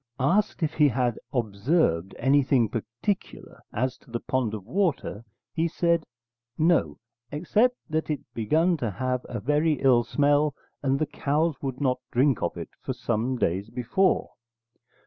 Asked if he had observed anything particular as to the pond of water, he said, 'No, except that it begun to have a very ill smell and the cows would not drink of it for some days before.'